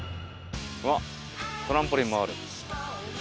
あっトランポリンもある。